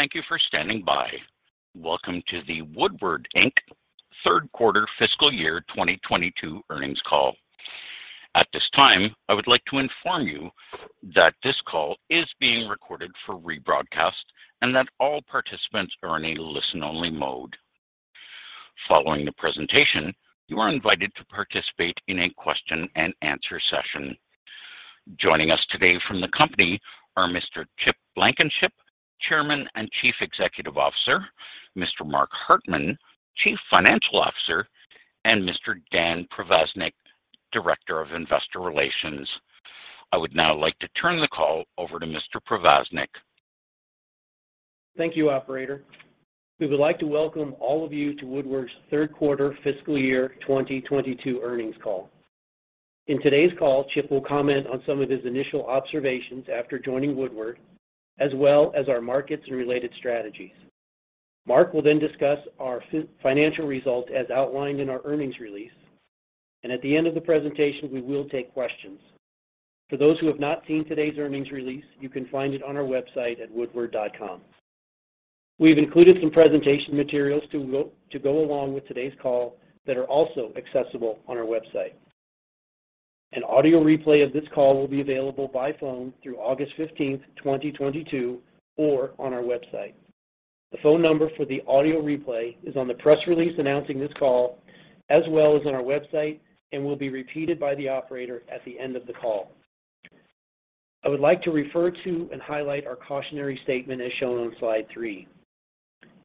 Thank you for standing by. Welcome to the Woodward, Inc. third quarter fiscal year 2022 earnings call. At this time, I would like to inform you that this call is being recorded for rebroadcast and that all participants are in a listen-only mode. Following the presentation, you are invited to participate in a question-and-answer session. Joining us today from the company are Mr. Chip Blankenship, Chairman and Chief Executive Officer, Mr. Mark Hartman, Chief Financial Officer, and Mr. Dan Provaznik, Director of Investor Relations. I would now like to turn the call over to Mr. Provaznik. Thank you, operator. We would like to welcome all of you to Woodward's third quarter fiscal year 2022 earnings call. In today's call, Chip will comment on some of his initial observations after joining Woodward, as well as our markets and related strategies. Mark will then discuss our financial results as outlined in our earnings release. At the end of the presentation, we will take questions. For those who have not seen today's earnings release, you can find it on our website at woodward.com. We've included some presentation materials to go along with today's call that are also accessible on our website. An audio replay of this call will be available by phone through August 15th, 2022, or on our website. The phone number for the audio replay is on the press release announcing this call, as well as on our website, and will be repeated by the operator at the end of the call. I would like to refer to and highlight our cautionary statement as shown on slide three.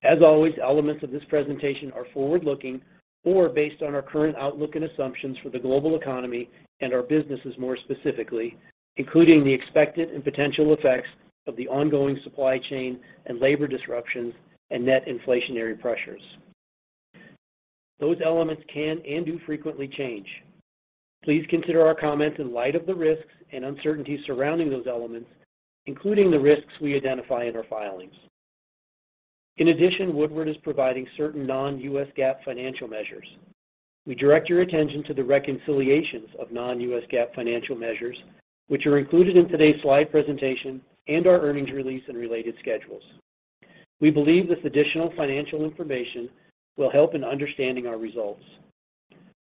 As always, elements of this presentation are forward-looking or based on our current outlook and assumptions for the global economy and our businesses more specifically, including the expected and potential effects of the ongoing supply chain and labor disruptions and net inflationary pressures. Those elements can and do frequently change. Please consider our comments in light of the risks and uncertainty surrounding those elements, including the risks we identify in our filings. In addition, Woodward is providing certain non-U.S. GAAP financial measures. We direct your attention to the reconciliations of non-U.S. GAAP financial measures, which are included in today's slide presentation and our earnings release and related schedules. We believe this additional financial information will help in understanding our results.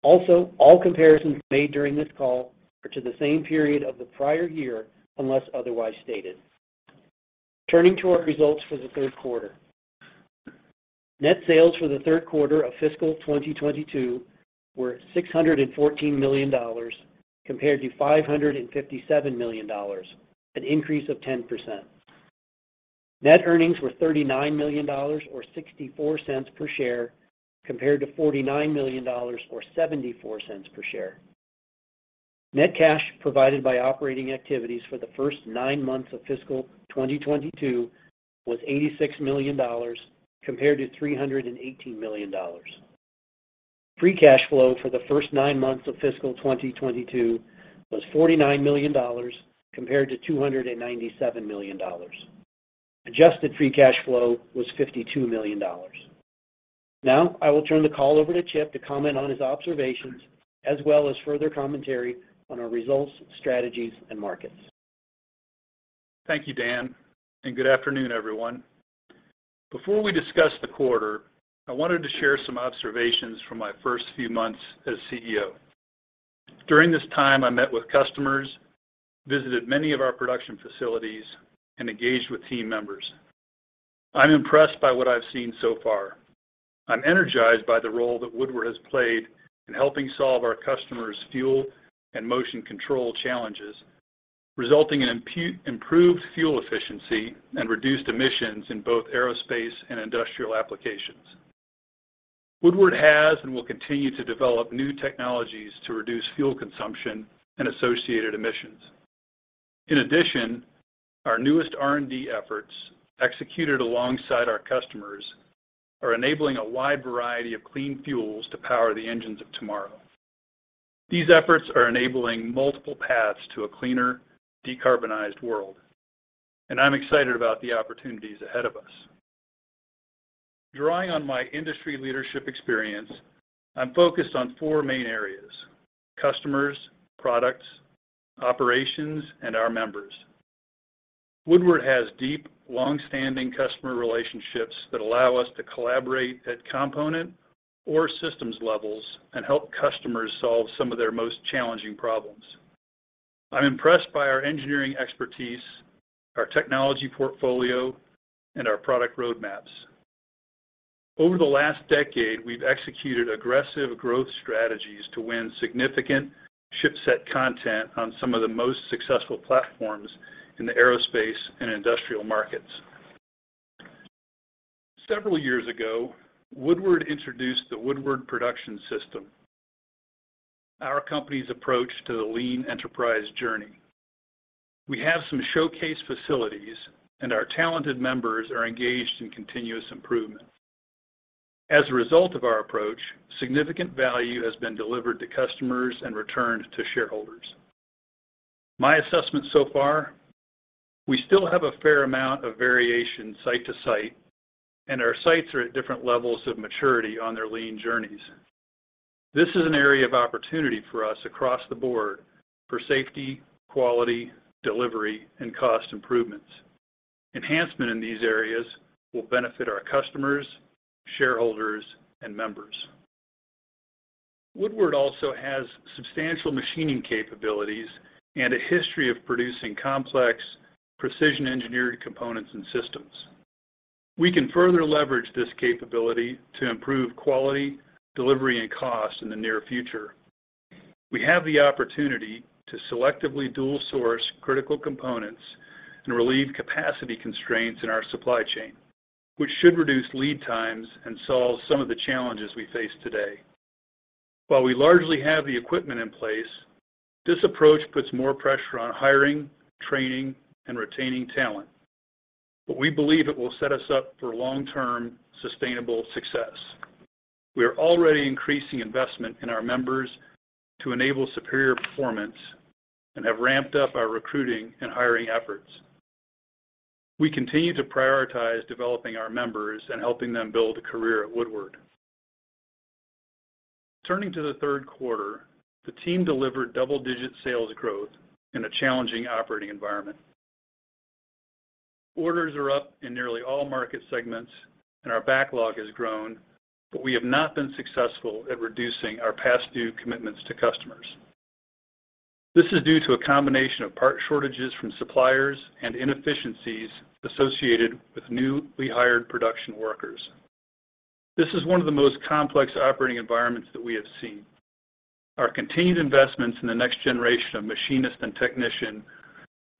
Also, all comparisons made during this call are to the same period of the prior year, unless otherwise stated. Turning to our results for the third quarter. Net sales for the third quarter of fiscal 2022 were $614 million compared to $557 million, an increase of 10%. Net earnings were $39 million or $0.64 per share compared to $49 million or $0.74 per share. Net cash provided by operating activities for the first nine months of fiscal 2022 was $86 million compared to $318 million. Free cash flow for the first nine months of fiscal 2022 was $49 million compared to $297 million. Adjusted free cash flow was $52 million. Now, I will turn the call over to Chip to comment on his observations as well as further commentary on our results, strategies, and markets. Thank you, Dan, and good afternoon, everyone. Before we discuss the quarter, I wanted to share some observations from my first few months as CEO. During this time, I met with customers, visited many of our production facilities, and engaged with team members. I'm impressed by what I've seen so far. I'm energized by the role that Woodward has played in helping solve our customers' fuel and motion control challenges, resulting in improved fuel efficiency and reduced emissions in both aerospace and industrial applications. Woodward has and will continue to develop new technologies to reduce fuel consumption and associated emissions. In addition, our newest R&D efforts, executed alongside our customers, are enabling a wide variety of clean fuels to power the engines of tomorrow. These efforts are enabling multiple paths to a cleaner, decarbonized world, and I'm excited about the opportunities ahead of us. Drawing on my industry leadership experience, I'm focused on four main areas, customers, products, operations, and our members. Woodward has deep, long-standing customer relationships that allow us to collaborate at component or systems levels and help customers solve some of their most challenging problems. I'm impressed by our engineering expertise, our technology portfolio, and our product roadmaps. Over the last decade, we've executed aggressive growth strategies to win significant ship set content on some of the most successful platforms in the aerospace and industrial markets. Several years ago, Woodward introduced the Woodward Production System, our company's approach to the lean enterprise journey. We have some showcase facilities, and our talented members are engaged in continuous improvement. As a result of our approach, significant value has been delivered to customers and returned to shareholders. My assessment so far, we still have a fair amount of variation site to site, and our sites are at different levels of maturity on their lean journeys. This is an area of opportunity for us across the board for safety, quality, delivery, and cost improvements. Enhancement in these areas will benefit our customers, shareholders, and members. Woodward also has substantial machining capabilities and a history of producing complex precision-engineered components and systems. We can further leverage this capability to improve quality, delivery, and cost in the near future. We have the opportunity to selectively dual source critical components and relieve capacity constraints in our supply chain, which should reduce lead times and solve some of the challenges we face today. While we largely have the equipment in place, this approach puts more pressure on hiring, training, and retaining talent, but we believe it will set us up for long-term sustainable success. We are already increasing investment in our members to enable superior performance and have ramped up our recruiting and hiring efforts. We continue to prioritize developing our members and helping them build a career at Woodward. Turning to the third quarter, the team delivered double-digit sales growth in a challenging operating environment. Orders are up in nearly all market segments and our backlog has grown, but we have not been successful at reducing our past due commitments to customers. This is due to a combination of part shortages from suppliers and inefficiencies associated with newly hired production workers. This is one of the most complex operating environments that we have seen. Our continued investments in the next generation of machinists and technician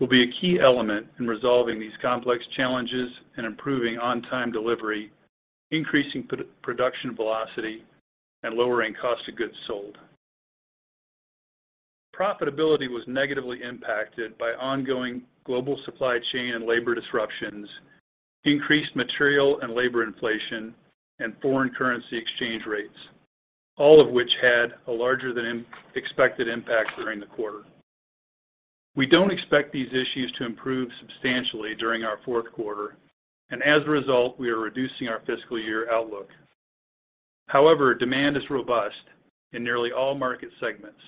will be a key element in resolving these complex challenges and improving on-time delivery, increasing pre-production velocity, and lowering cost of goods sold. Profitability was negatively impacted by ongoing global supply chain and labor disruptions, increased material and labor inflation, and foreign currency exchange rates, all of which had a larger than expected impact during the quarter. We don't expect these issues to improve substantially during our fourth quarter, and as a result, we are reducing our fiscal year outlook. However, demand is robust in nearly all market segments.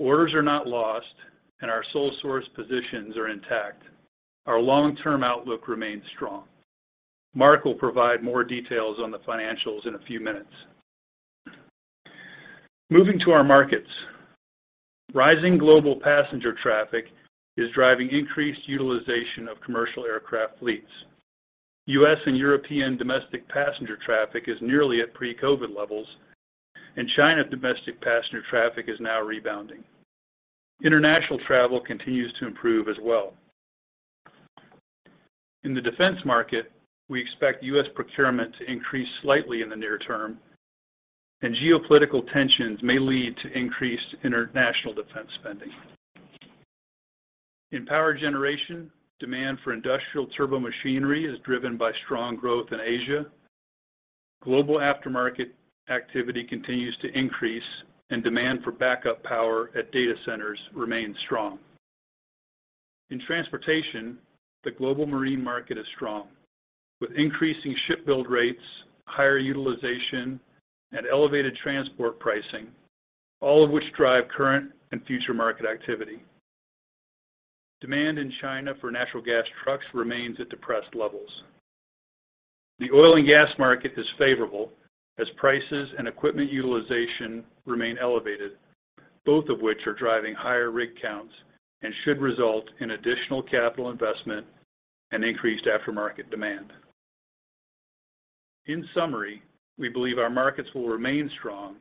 Orders are not lost and our sole source positions are intact. Our long-term outlook remains strong. Mark will provide more details on the financials in a few minutes. Moving to our markets. Rising global passenger traffic is driving increased utilization of commercial aircraft fleets. U.S. and European domestic passenger traffic is nearly at pre-COVID levels, and China domestic passenger traffic is now rebounding. International travel continues to improve as well. In the defense market, we expect U.S. procurement to increase slightly in the near term, and geopolitical tensions may lead to increased international defense spending. In power generation, demand for industrial turbomachinery is driven by strong growth in Asia. Global aftermarket activity continues to increase, and demand for backup power at data centers remains strong. In transportation, the global marine market is strong, with increasing ship build rates, higher utilization, and elevated transport pricing, all of which drive current and future market activity. Demand in China for natural gas trucks remains at depressed levels. The oil and gas market is favorable as prices and equipment utilization remain elevated, both of which are driving higher rig counts and should result in additional capital investment and increased aftermarket demand. In summary, we believe our markets will remain strong.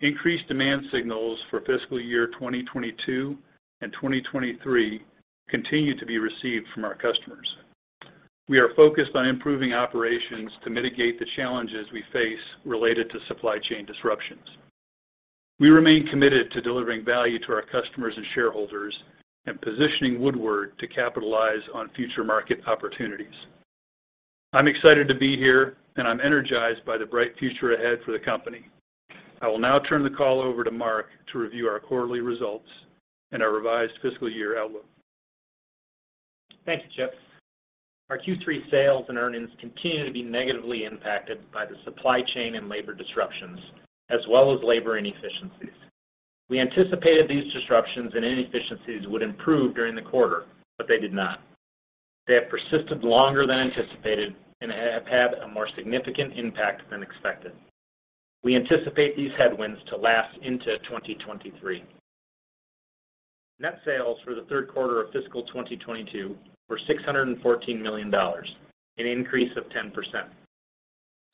Increased demand signals for fiscal year 2022 and 2023 continue to be received from our customers. We are focused on improving operations to mitigate the challenges we face related to supply chain disruptions. We remain committed to delivering value to our customers and shareholders and positioning Woodward to capitalize on future market opportunities. I'm excited to be here, and I'm energized by the bright future ahead for the company. I will now turn the call over to Mark to review our quarterly results and our revised fiscal year outlook. Thank you, Chip. Our Q3 sales and earnings continue to be negatively impacted by the supply chain and labor disruptions, as well as labor inefficiencies. We anticipated these disruptions and inefficiencies would improve during the quarter, but they did not. They have persisted longer than anticipated and have had a more significant impact than expected. We anticipate these headwinds to last into 2023. Net sales for the third quarter of fiscal 2022 were $614 million, an increase of 10%.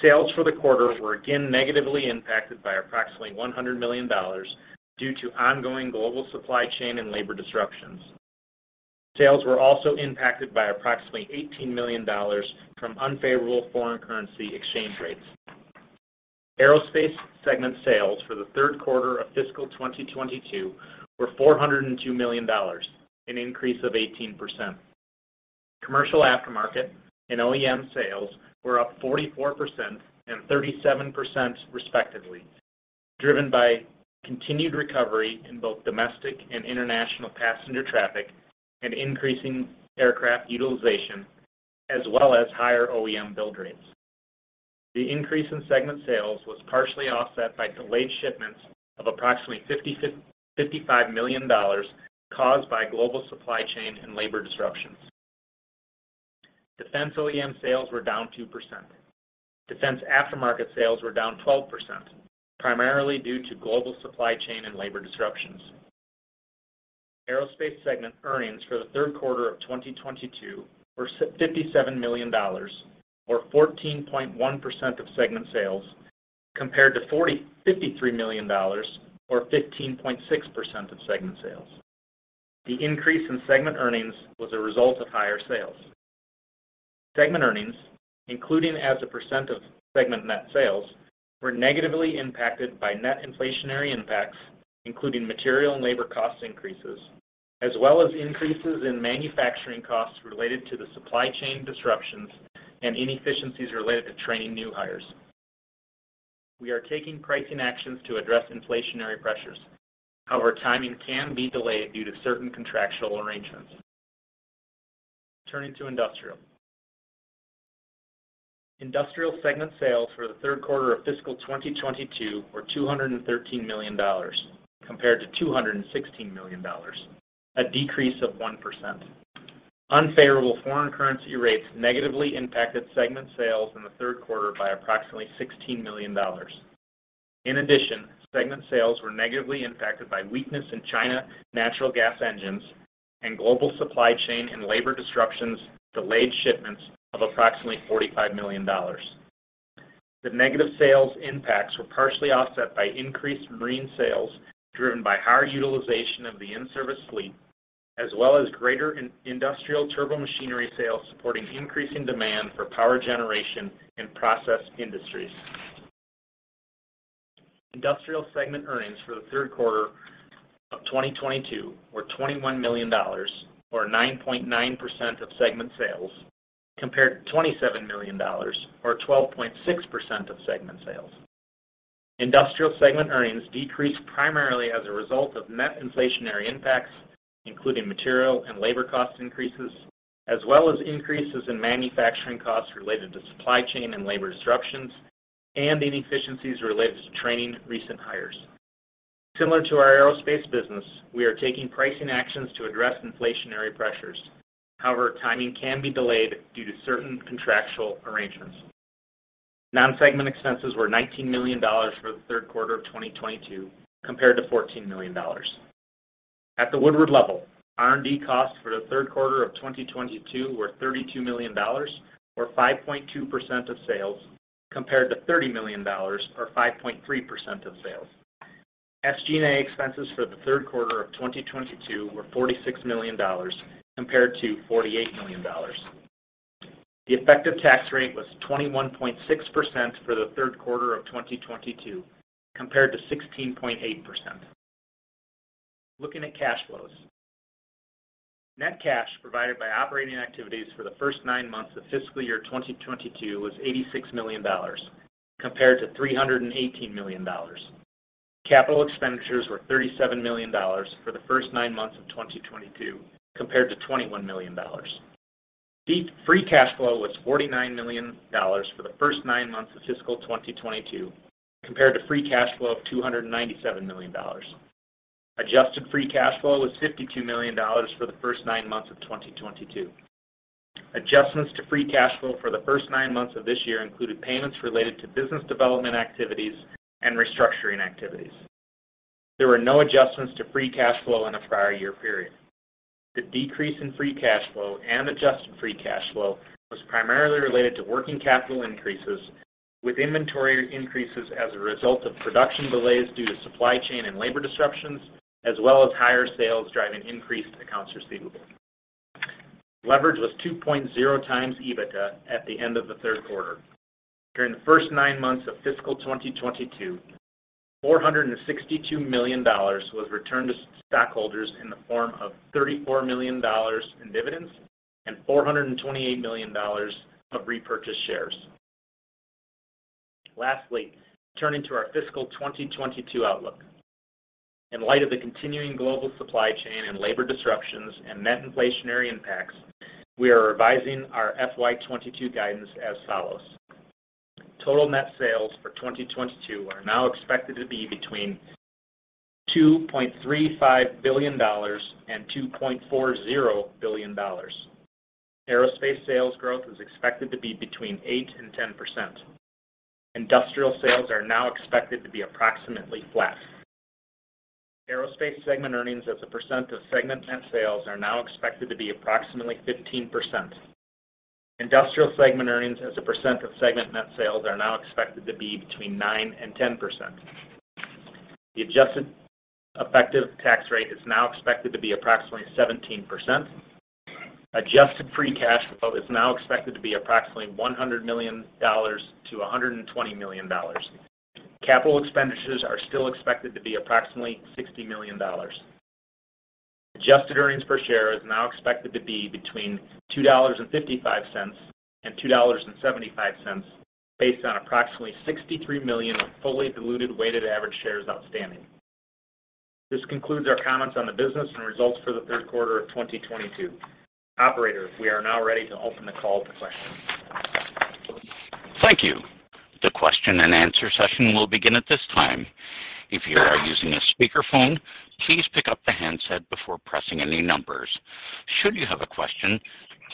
Sales for the quarter were again negatively impacted by approximately $100 million due to ongoing global supply chain and labor disruptions. Sales were also impacted by approximately $18 million from unfavorable foreign currency exchange rates. Aerospace segment sales for the third quarter of fiscal 2022 were $402 million, an increase of 18%. Commercial aftermarket and OEM sales were up 44% and 37% respectively, driven by continued recovery in both domestic and international passenger traffic and increasing aircraft utilization as well as higher OEM build rates. The increase in segment sales was partially offset by delayed shipments of approximately $55 million caused by global supply chain and labor disruptions. Defense OEM sales were down 2%. Defense aftermarket sales were down 12%, primarily due to global supply chain and labor disruptions. Aerospace segment earnings for the third quarter of 2022 were $57 million or 14.1% of segment sales compared to $53 million or 15.6% of segment sales. The increase in segment earnings was a result of higher sales. Segment earnings, including as a percent of segment net sales, were negatively impacted by net inflationary impacts, including material and labor cost increases, as well as increases in manufacturing costs related to the supply chain disruptions and inefficiencies related to training new hires. We are taking pricing actions to address inflationary pressures. However, timing can be delayed due to certain contractual arrangements. Turning to industrial. Industrial segment sales for the third quarter of fiscal 2022 were $213 million compared to $216 million, a decrease of 1%. Unfavorable foreign currency rates negatively impacted segment sales in the third quarter by approximately $16 million. In addition, segment sales were negatively impacted by weakness in China natural gas engines and global supply chain and labor disruptions delayed shipments of approximately $45 million. The negative sales impacts were partially offset by increased marine sales, driven by higher utilization of the in-service fleet, as well as greater industrial turbomachinery sales supporting increasing demand for power generation in process industries. Industrial segment earnings for the third quarter of 2022 were $21 million or 9.9% of segment sales compared to $27 million or 12.6% of segment sales. Industrial segment earnings decreased primarily as a result of net inflationary impacts, including material and labor cost increases, as well as increases in manufacturing costs related to supply chain and labor disruptions and inefficiencies related to training recent hires. Similar to our aerospace business, we are taking pricing actions to address inflationary pressures. However, timing can be delayed due to certain contractual arrangements. Non-segment expenses were $19 million for the third quarter of 2022 compared to $14 million. At the Woodward level, R&D costs for the third quarter of 2022 were $32 million or 5.2% of sales compared to $30 million or 5.3% of sales. SG&A expenses for the third quarter of 2022 were $46 million compared to $48 million. The effective tax rate was 21.6% for the third quarter of 2022 compared to 16.8%. Looking at cash flows. Net cash provided by operating activities for the first nine months of fiscal year 2022 was $86 million compared to $318 million. Capital expenditures were $37 million for the first nine months of 2022 compared to $21 million. The free cash flow was $49 million for the first nine months of fiscal 2022 compared to free cash flow of $297 million. Adjusted free cash flow was $52 million for the first nine months of 2022. Adjustments to free cash flow for the first nine months of this year included payments related to business development activities and restructuring activities. There were no adjustments to free cash flow in the prior year period. The decrease in free cash flow and adjusted free cash flow was primarily related to working capital increases, with inventory increases as a result of production delays due to supply chain and labor disruptions, as well as higher sales driving increased accounts receivable. Leverage was 2.0x EBITDA at the end of the third quarter. During the first nine months of fiscal 2022, $462 million was returned to stockholders in the form of $34 million in dividends and $428 million of repurchased shares. Lastly, turning to our fiscal 2022 outlook. In light of the continuing global supply chain and labor disruptions and net inflationary impacts, we are revising our FY 2022 guidance as follows. Total net sales for 2022 are now expected to be between $2.35 billion and $2.40 billion. Aerospace sales growth is expected to be between 8% and 10%. Industrial sales are now expected to be approximately flat. Aerospace segment earnings as a percent of segment net sales are now expected to be approximately 15%. Industrial segment earnings as a percent of segment net sales are now expected to be between 9% and 10%. The adjusted effective tax rate is now expected to be approximately 17%. Adjusted free cash flow is now expected to be approximately $100 million-$120 million. Capital expenditures are still expected to be approximately $60 million. Adjusted earnings per share is now expected to be between $2.55 and $2.75 based on approximately 63 million fully diluted weighted average shares outstanding. This concludes our comments on the business and results for the third quarter of 2022. Operator, we are now ready to open the call to questions. Thank you. The question-and-answer session will begin at this time. If you are using a speakerphone, please pick up the handset before pressing any numbers. Should you have a question,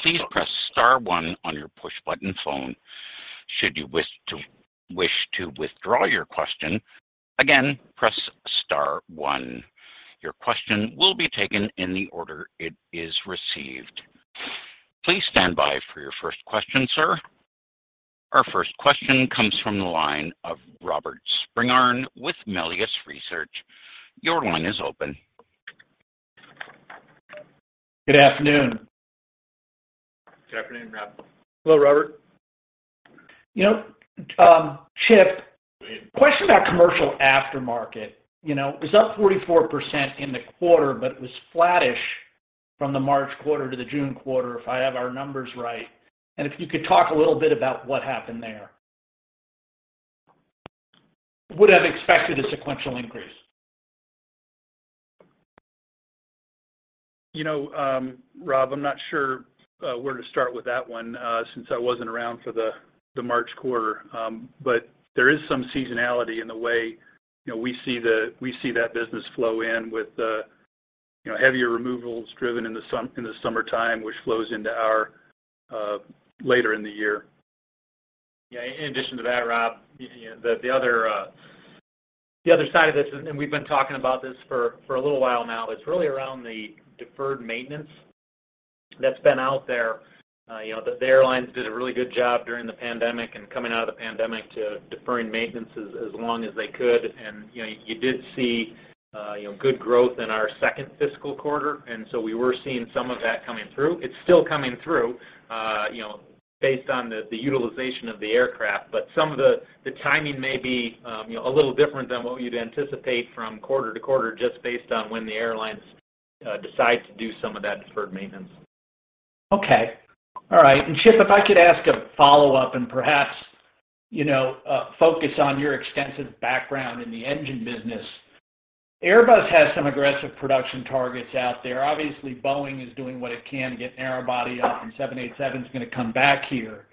please press star one on your push button phone. Should you wish to withdraw your question, again, press star one. Your question will be taken in the order it is received. Please stand by for your first question, sir. Our first question comes from the line of Robert Spingarn with Melius Research. Your line is open. Good afternoon. Good afternoon, Rob. Hello, Robert. You know, Chip, question about commercial aftermarket. You know, it was up 44% in the quarter, but it was flattish from the March quarter to the June quarter if I have our numbers right. If you could talk a little bit about what happened there. Would have expected a sequential increase. You know, Rob, I'm not sure where to start with that one, since I wasn't around for the March quarter. There is some seasonality in the way, you know, we see that business flow in with, you know, heavier removals driven in the summertime, which flows into our later in the year. Yeah. In addition to that, Rob, you know, the other side of this, and we've been talking about this for a little while now, is really around the deferred maintenance that's been out there. You know, the airlines did a really good job during the pandemic and coming out of the pandemic to deferring maintenance as long as they could. You did see good growth in our second fiscal quarter, and so we were seeing some of that coming through. It's still coming through, you know, based on the utilization of the aircraft. Some of the timing may be a little different than what you'd anticipate from quarter to quarter just based on when the airlines decide to do some of that deferred maintenance. Okay. All right. Chip, if I could ask a follow-up and perhaps, you know, focus on your extensive background in the engine business. Airbus has some aggressive production targets out there. Obviously, Boeing is doing what it can to get narrow body up, and Boeing 787's gonna come back here.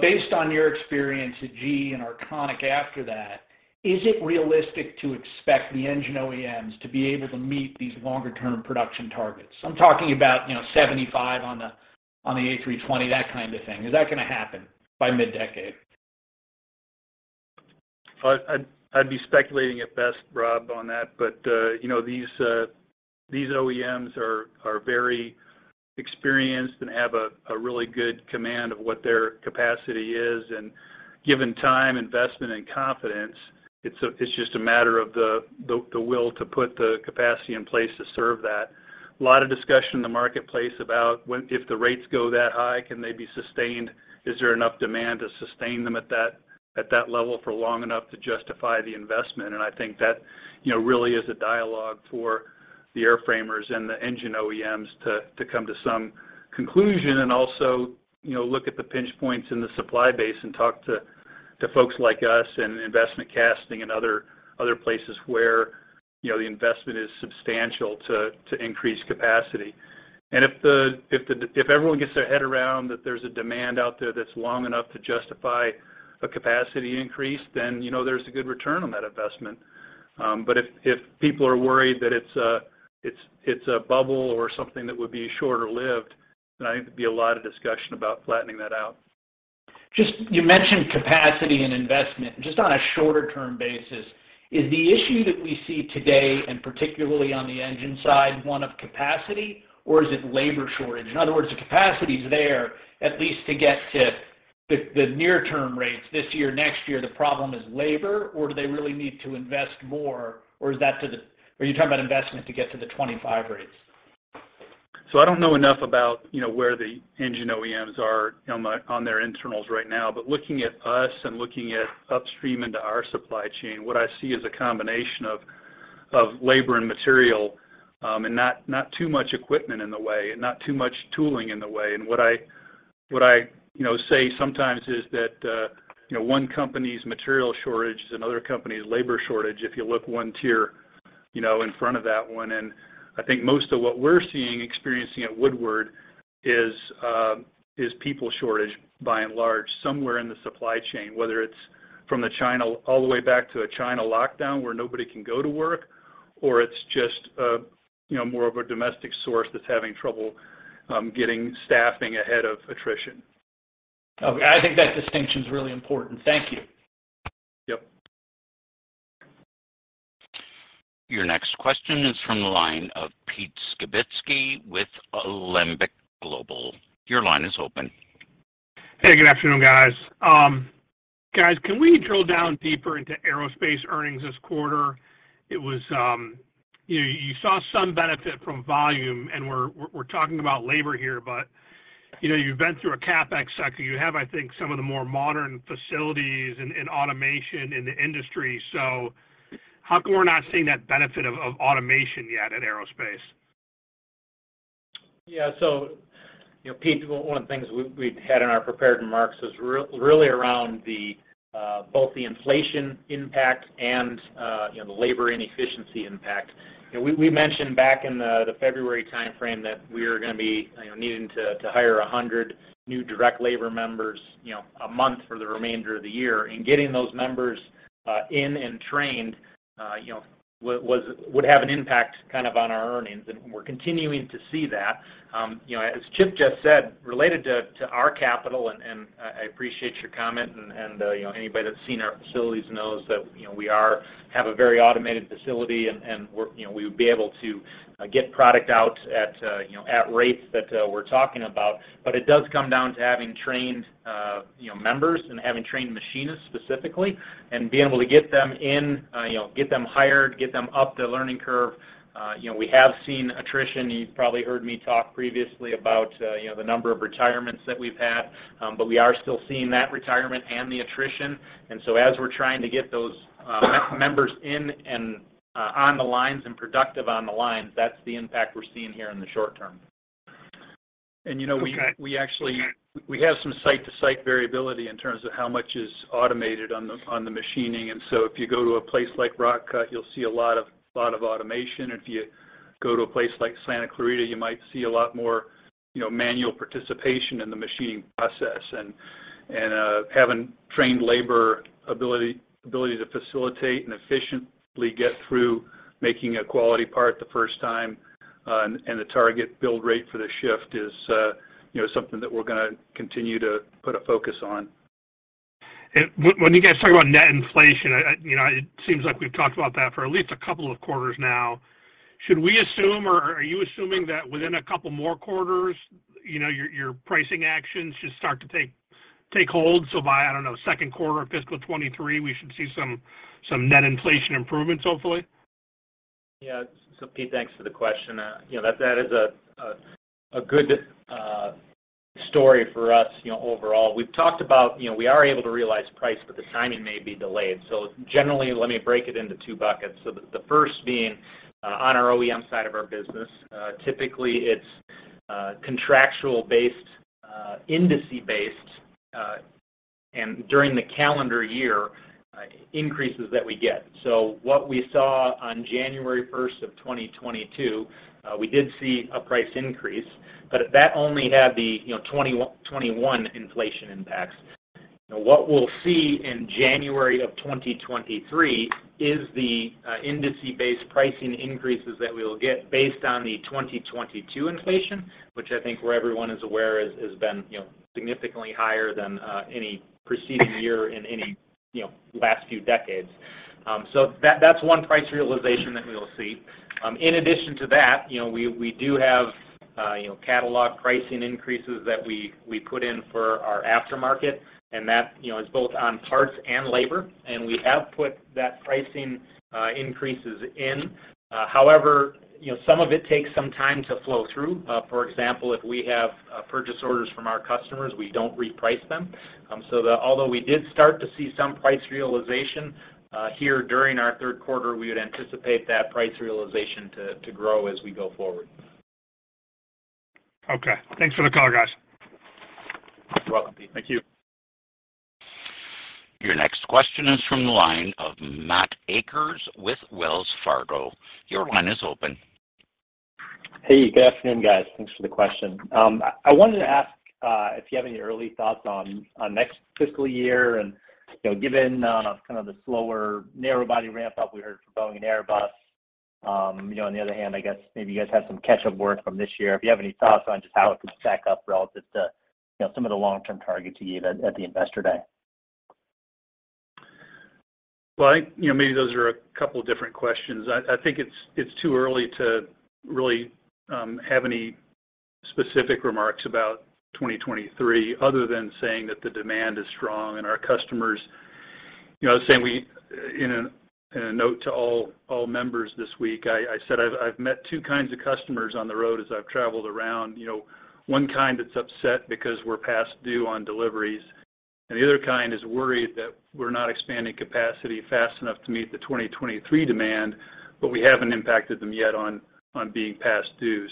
Based on your experience at GE and Arconic after that, is it realistic to expect the engine OEMs to be able to meet these longer-term production targets? I'm talking about, you know, 75 on the Airbus A320, that kind of thing. Is that gonna happen by mid-decade? I'd be speculating at best, Rob, on that. You know, these OEMs are very experienced and have a really good command of what their capacity is. Given time, investment, and confidence, it's just a matter of the will to put the capacity in place to serve that. A lot of discussion in the marketplace about if the rates go that high, can they be sustained? Is there enough demand to sustain them at that level for long enough to justify the investment? I think that, you know, really is a dialogue for the airframers and the engine OEMs to come to some conclusion and also, you know, look at the pinch points in the supply base and talk to folks like us and investment casting and other places where, you know, the investment is substantial to increase capacity. If everyone gets their head around that there's a demand out there that's long enough to justify a capacity increase, then, you know, there's a good return on that investment. But if people are worried that it's a bubble or something that would be shorter lived, then I think there'd be a lot of discussion about flattening that out. Just, you mentioned capacity and investment. Just on a shorter term basis, is the issue that we see today, and particularly on the engine side, one of capacity or is it labor shortage? In other words, the capacity's there at least to get to the near term rates this year, next year. The problem is labor or do they really need to invest more or is that to the. Are you talking about investment to get to the 25 rates? I don't know enough about, you know, where the engine OEMs are on their internals right now. Looking at us and looking at upstream into our supply chain, what I see is a combination of labor and material, and not too much equipment in the way and not too much tooling in the way. What I you know say sometimes is that, you know, one company's material shortage is another company's labor shortage if you look one tier, you know, in front of that one. I think most of what we're seeing, experiencing at Woodward is people shortage by and large somewhere in the supply chain, whether it's from the China all the way back to a China lockdown where nobody can go to work or it's just, you know, more of a domestic source that's having trouble, getting staffing ahead of attrition. Okay. I think that distinction is really important. Thank you. Yep. Your next question is from the line of Pete Skibitski with Alembic Global Advisors. Your line is open. Hey, good afternoon, guys. Guys, can we drill down deeper into aerospace earnings this quarter? It was, you know, you saw some benefit from volume, and we're talking about labor here, but, you know, you've been through a CapEx cycle. You have, I think, some of the more modern facilities and automation in the industry. How come we're not seeing that benefit of automation yet at aerospace? You know, Pete, one of the things we've had in our prepared remarks is really around both the inflation impact and, you know, the labor inefficiency impact. You know, we've mentioned back in the February timeframe that we are gonna be, you know, needing to hire 100 new direct labor members, you know, a month for the remainder of the year, and getting those members in and trained, you know, would have an impact kind of on our earnings, and we're continuing to see that. You know, as Chip just said, related to our capital, and I appreciate your comment, and you know, anybody that's seen our facilities knows that, you know, we have a very automated facility and we would be able to get product out at, you know, at rates that we're talking about. It does come down to having trained, you know, members and having trained machinists specifically, and being able to get them in, you know, get them hired, get them up the learning curve. You know, we have seen attrition. You've probably heard me talk previously about, you know, the number of retirements that we've had. We are still seeing that retirement and the attrition. As we're trying to get those members in and on the lines and productive on the lines, that's the impact we're seeing here in the short term. You know, we Okay. We actually have some site-to-site variability in terms of how much is automated on the machining. If you go to a place like Rock Cut, you'll see a lot of automation. If you go to a place like Santa Clarita, you might see a lot more, you know, manual participation in the machining process. Having trained labor ability to facilitate and efficiently get through making a quality part the first time, and the target build rate for the shift is, you know, something that we're gonna continue to put a focus on. When you guys talk about net inflation, you know, it seems like we've talked about that for at least a couple of quarters now. Should we assume, or are you assuming that within a couple more quarters, you know, your pricing actions should start to take hold, so by, I don't know, second quarter of fiscal 2023, we should see some net inflation improvements hopefully? Yeah. Pete, thanks for the question. You know, that is a good story for us, you know, overall. We've talked about, you know, we are able to realize price, but the timing may be delayed. Generally, let me break it into two buckets. The first being on our OEM side of our business, typically it's contractual based, industry based, and during the calendar year, increases that we get. What we saw on January 1st of 2022, we did see a price increase, but that only had the, you know, 2021 inflation impacts. Now what we'll see in January of 2023 is the industry based pricing increases that we will get based on the 2022 inflation, which I think where everyone is aware has been, you know, significantly higher than any preceding year in any, you know, last few decades. That's one price realization that we will see. In addition to that, you know, we do have, you know, catalog pricing increases that we put in for our aftermarket, and that, you know, is both on parts and labor. We have put that pricing increases in. However, you know, some of it takes some time to flow through. For example, if we have purchase orders from our customers, we don't reprice them. Although we did start to see some price realization here during our third quarter, we would anticipate that price realization to grow as we go forward. Okay. Thanks for the call, guys. You're welcome, Pete. Thank you. Your next question is from the line of Matt Akers with Wells Fargo. Your line is open. Hey, good afternoon, guys. Thanks for the question. I wanted to ask if you have any early thoughts on next fiscal year and, you know, given kind of the slower narrow-body ramp up we heard from Boeing and Airbus, you know, on the other hand, I guess maybe you guys have some catch-up work from this year. If you have any thoughts on just how it could stack up relative to, you know, some of the long-term targets you gave at the Investor Day. Well, you know, maybe those are a couple different questions. I think it's too early to really have any specific remarks about 2023 other than saying that the demand is strong and our customers. You know, saying in a note to all members this week, I said I've met two kinds of customers on the road as I've traveled around. You know, one kind that's upset because we're past due on deliveries, and the other kind is worried that we're not expanding capacity fast enough to meet the 2023 demand, but we haven't impacted them yet on being past due.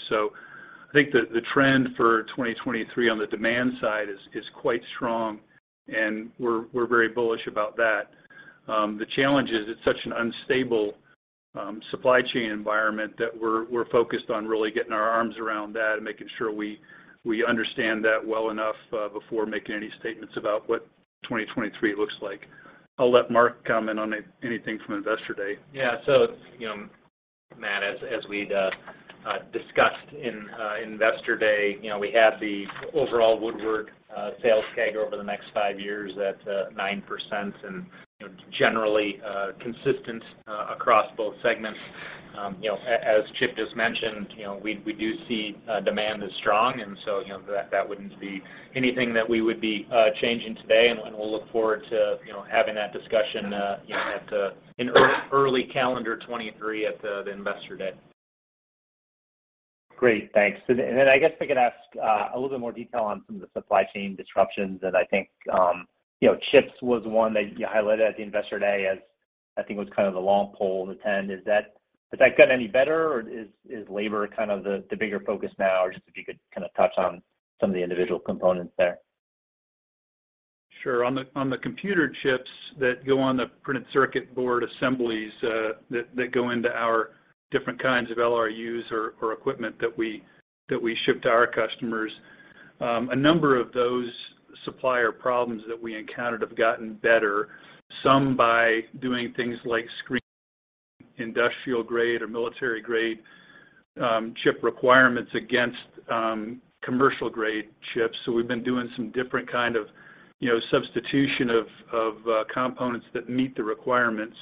I think the trend for 2023 on the demand side is quite strong, and we're very bullish about that. The challenge is it's such an unstable supply chain environment that we're focused on really getting our arms around that and making sure we understand that well enough before making any statements about what 2023 looks like. I'll let Mark comment on anything from Investor Day. Yeah. You know, Matt, as we'd discussed in Investor Day, you know, we have the overall Woodward sales CAGR over the next five years at 9% and, you know, generally consistent across both segments. You know, as Chip just mentioned, you know, we do see demand is strong, and you know, that wouldn't be anything that we would be changing today, and we'll look forward to, you know, having that discussion, you know, at in early calendar 2023 at the Investor Day. Great. Thanks. I guess if I could ask a little bit more detail on some of the supply chain disruptions that I think chips was one that you highlighted at the Investor Day as I think it was kind of the long pole in the tent. Has that gotten any better, or is labor kind of the bigger focus now? Or just if you could kind of touch on some of the individual components there. Sure. On the computer chips that go on the printed circuit board assemblies that go into our different kinds of LRUs or equipment that we ship to our customers, a number of those supplier problems that we encountered have gotten better, some by doing things like screening industrial grade or military grade chip requirements against commercial grade chips. We've been doing some different kind of, you know, substitution of components that meet the requirements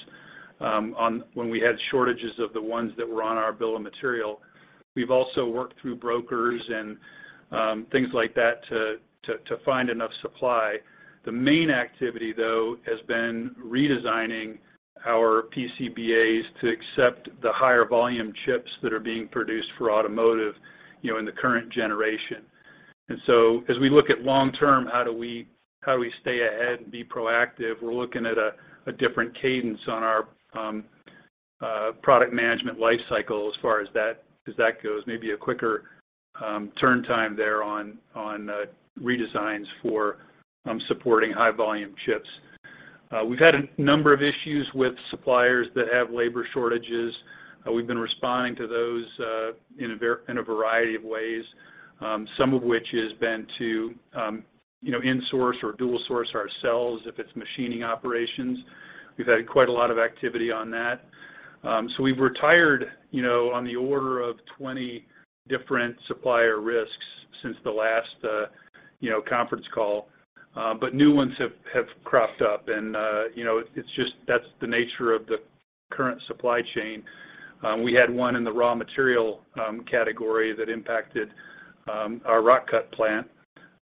on when we had shortages of the ones that were on our bill of material. We've also worked through brokers and things like that to find enough supply. The main activity though has been redesigning our PCBAs to accept the higher volume chips that are being produced for automotive, you know, in the current generation. As we look at long-term, how do we stay ahead and be proactive? We're looking at a different cadence on our product management life cycle as far as that goes. Maybe a quicker turn time there on redesigns for supporting high volume chips. We've had a number of issues with suppliers that have labor shortages. We've been responding to those in a variety of ways, some of which has been to, you know, insource or dual source ourselves if it's machining operations. We've had quite a lot of activity on that. We've retired, you know, on the order of 20 different supplier risks since the last conference call. New ones have cropped up, and you know, it's just that's the nature of the current supply chain. We had one in the raw material category that impacted our Rock Cut plant.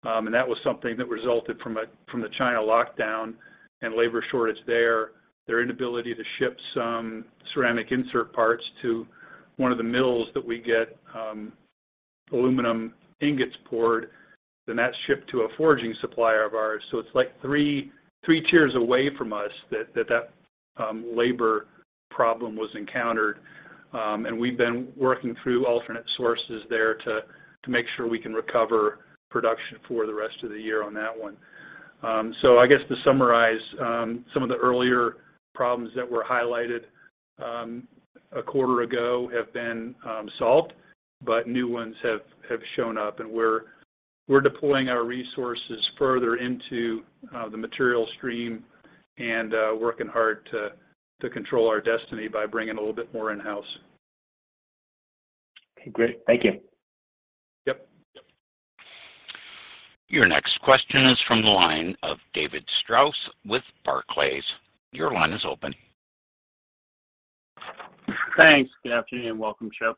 That was something that resulted from the China lockdown and labor shortage there. Their inability to ship some ceramic insert parts to one of the mills that we get aluminum ingots poured, then that's shipped to a forging supplier of ours. It's like three tiers away from us that labor problem was encountered. We've been working through alternate sources there to make sure we can recover production for the rest of the year on that one. I guess to summarize, some of the earlier problems that were highlighted a quarter ago have been solved, but new ones have shown up and we're deploying our resources further into the material stream and working hard to control our destiny by bringing a little bit more in-house. Okay, great. Thank you. Yep. Your next question is from the line of David Strauss with Barclays. Your line is open. Thanks. Good afternoon. Welcome, Chip.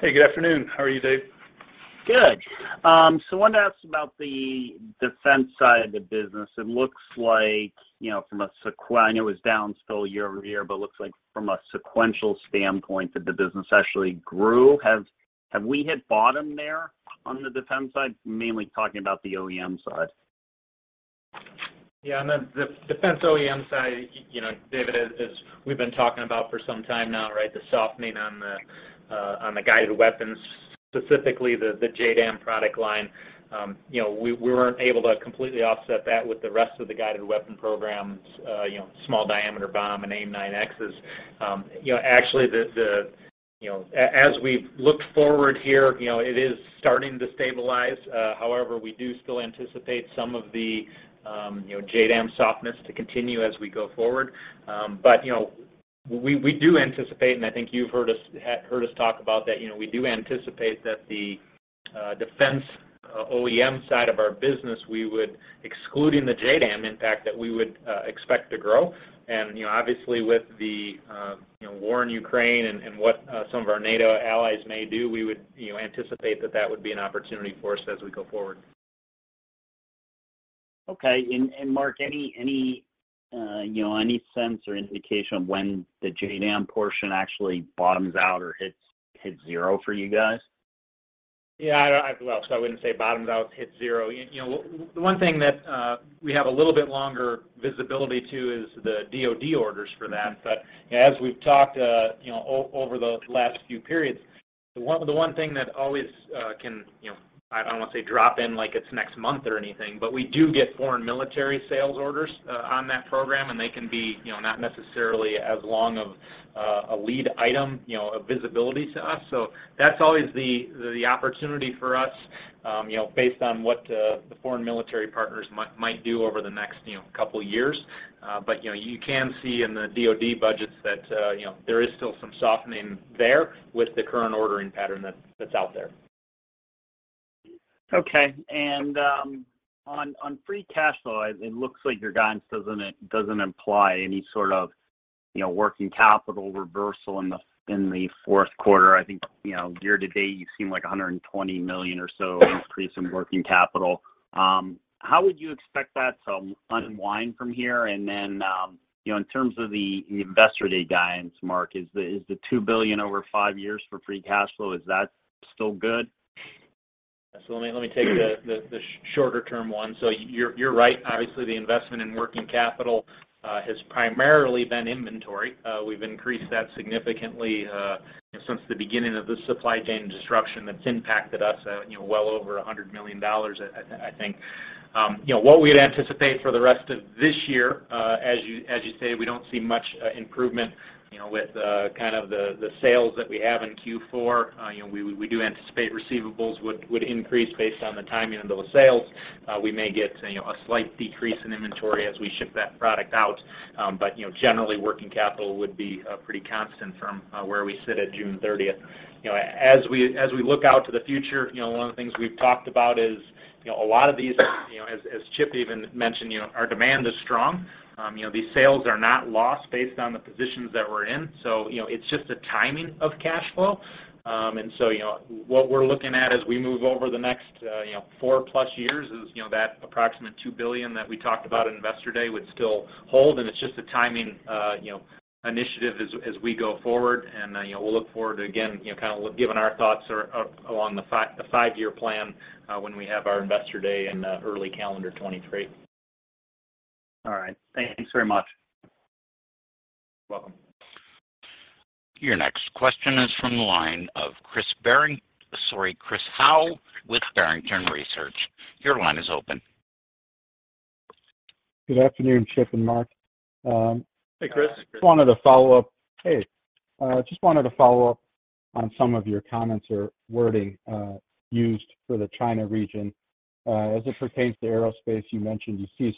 Hey, good afternoon. How are you, Dave? Good. Wanted to ask about the defense side of the business. It looks like, you know, I know it was down still year-over-year, but looks like from a sequential standpoint that the business actually grew. Have we hit bottom there on the defense side? Mainly talking about the OEM side. Yeah, on the defense OEM side, you know, David, as we've been talking about for some time now, right, the softening on the guided weapons, specifically the JDAM product line, you know, we weren't able to completely offset that with the rest of the guided weapon programs, you know, Small Diameter Bomb and AIM-9X. You know, actually, as we've looked forward here, you know, it is starting to stabilize. However, we do still anticipate some of the, you know, JDAM softness to continue as we go forward. You know, we do anticipate, and I think you've heard us talk about that. You know, we do anticipate that the defense OEM side of our business would, excluding the JDAM impact, expect to grow. You know, obviously with the war in Ukraine and what some of our NATO allies may do, we anticipate that that would be an opportunity for us as we go forward. Okay. Mark, you know, any sense or indication of when the JDAM portion actually bottoms out or hits zero for you guys? Yeah, I well, I wouldn't say bottoms out, hits zero. You know, one thing that we have a little bit longer visibility to is the DOD orders for that. But as we've talked, you know, over the last few periods, the one thing that always can, you know, I don't wanna say drop in like it's next month or anything, but we do get Foreign Military Sales orders on that program, and they can be, you know, not necessarily as long of a lead item, you know, a visibility to us. So that's always the opportunity for us, you know, based on what the foreign military partners might do over the next, you know, couple years. You know, you can see in the DOD budgets that you know, there is still some softening there with the current ordering pattern that's out there. Okay. On free cash flow, it looks like your guidance doesn't imply any sort of, you know, working capital reversal in the fourth quarter. I think, you know, year to date you seem like $120 million or so increase in working capital. How would you expect that to unwind from here? You know, in terms of the Investor Day guidance, Mark, is the $2 billion over five years for free cash flow, is that still good? Let me take the shorter term one. You're right. Obviously, the investment in working capital has primarily been inventory. We've increased that significantly since the beginning of the supply chain disruption that's impacted us, you know, well over $100 million I think. You know, what we'd anticipate for the rest of this year, as you say, we don't see much improvement, you know, with kind of the sales that we have in Q4. You know, we do anticipate receivables would increase based on the timing of those sales. We may get, you know, a slight decrease in inventory as we ship that product out. You know, generally, working capital would be pretty constant from where we sit at June 30th. You know, as we look out to the future, you know, one of the things we've talked about is, you know, a lot of these, you know, as Chip even mentioned, you know, our demand is strong. You know, these sales are not lost based on the positions that we're in, so, you know, it's just a timing of cash flow. You know, what we're looking at as we move over the next, you know, four-plus years is, you know, that approximate $2 billion that we talked about at Investor Day would still hold, and it's just a timing, you know, initiative as we go forward. You know, we'll look forward to, again, you know, kind of giving our thoughts or along the five-year plan when we have our Investor Day in early calendar 2023. All right. Thank you very much. You're welcome. Your next question is from the line of Chris Howe with Barrington Research. Your line is open. Good afternoon, Chip and Mark. Hey, Chris. Just wanted to follow up. Hey. Just wanted to follow up on some of your comments or wording used for the China region. As it pertains to aerospace, you mentioned you see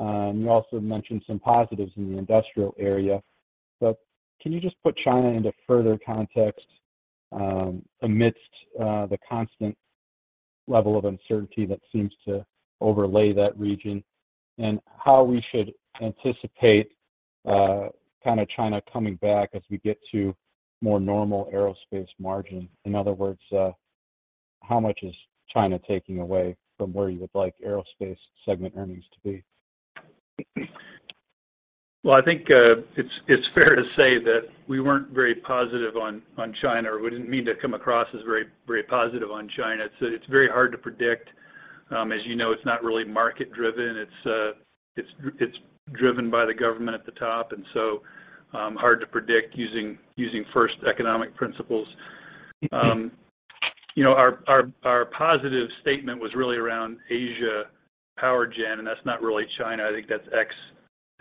some rebounding. You also mentioned some positives in the industrial area, but can you just put China into further context, amidst the constant level of uncertainty that seems to overlay that region, and how we should anticipate kind of China coming back as we get to more normal aerospace margin? In other words, how much is China taking away from where you would like aerospace segment earnings to be? Well, I think it's fair to say that we weren't very positive on China, or we didn't mean to come across as very, very positive on China. It's very hard to predict. As you know, it's not really market driven. It's driven by the government at the top, and so hard to predict using first economic principles. You know, our positive statement was really around Asia power gen, and that's not really China. I think that's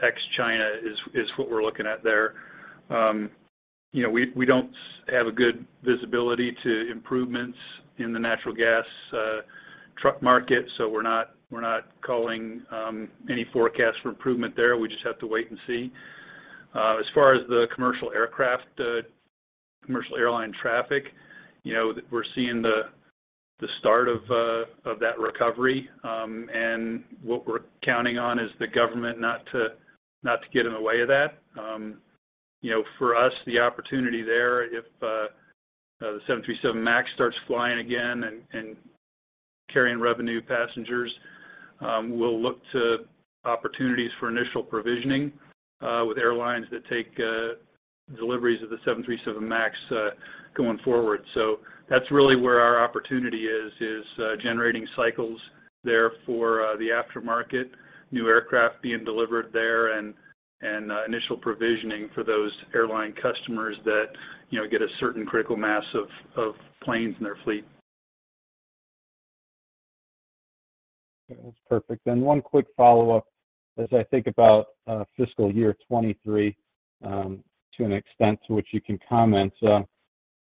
ex-China is what we're looking at there. You know, we don't have a good visibility to improvements in the natural gas truck market, so we're not calling any forecast for improvement there. We just have to wait and see. As far as the commercial aircraft, commercial airline traffic, you know, we're seeing the start of that recovery. What we're counting on is the government not to get in the way of that. You know, for us, the opportunity there if the Boeing 737 MAX starts flying again and carrying revenue passengers, we'll look to opportunities for initial provisioning with airlines that take deliveries of the Boeing 737 MAX going forward. That's really where our opportunity is, generating cycles there for the aftermarket, new aircraft being delivered there and initial provisioning for those airline customers that, you know, get a certain critical mass of planes in their fleet. That's perfect. One quick follow-up as I think about fiscal year 2023, to the extent to which you can comment.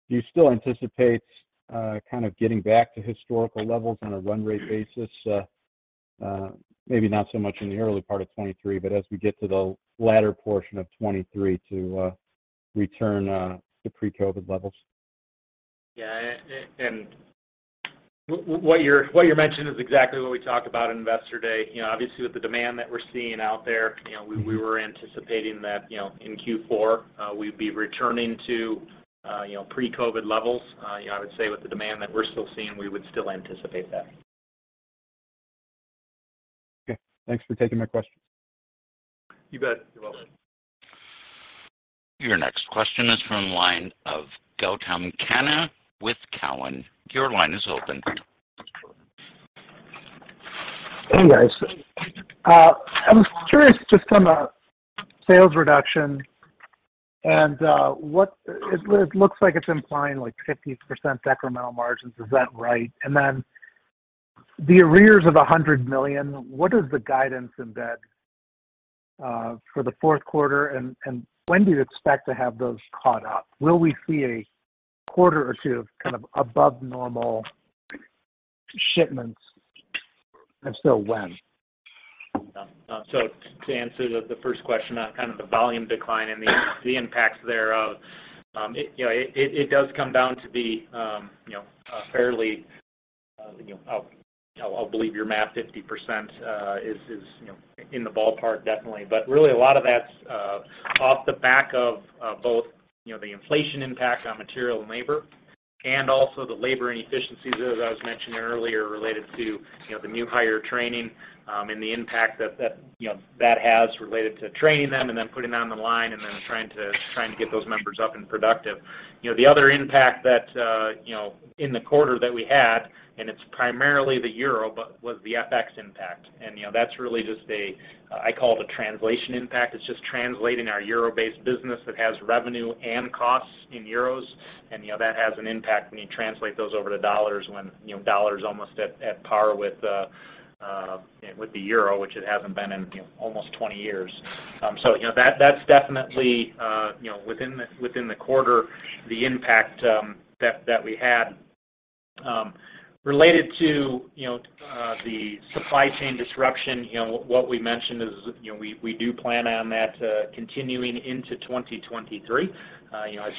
Do you still anticipate kind of getting back to historical levels on a run rate basis, maybe not so much in the early part of 2023, but as we get to the latter portion of 2023 to return to pre-COVID levels? What you mentioned is exactly what we talked about at Investor Day. You know, obviously, with the demand that we're seeing out there, you know, we were anticipating that, you know, in Q4, we'd be returning to, you know, pre-COVID levels. You know, I would say with the demand that we're still seeing, we would still anticipate that. Okay. Thanks for taking my questions. You bet. You're welcome. Your next question is from the line of Gautam Khanna with Cowen. Your line is open. Hey, guys. I'm curious just on the sales reduction and what it looks like it's implying, like, 50% incremental margins. Is that right? The arrears of $100 million, what is the guidance in that for the fourth quarter, and when do you expect to have those caught up? Will we see a quarter or two of kind of above normal shipments, if so, when? To answer the first question on kind of the volume decline and the impacts thereof, it you know does come down to, you know, a fairly you know I'll believe your math, 50% is you know in the ballpark definitely. But really a lot of that's off the back of both you know the inflation impact on material and labor and also the labor inefficiencies, as I was mentioning earlier, related to you know the new hire training and the impact that you know that has related to training them and then putting them on the line and then trying to get those members up and productive. You know, the other impact in the quarter that we had is primarily the euro, but it was the FX impact. You know, that's really just a translation impact. I call it a translation impact. It's just translating our euro-based business that has revenue and costs in euros. You know, that has an impact when you translate those over to dollars when the dollar's almost at par with the euro, which it hasn't been in almost 20 years. You know, so that's definitely the impact within the quarter that we had. Related to the supply chain disruption, you know, what we mentioned is we do plan on that continuing into 2023. You know, as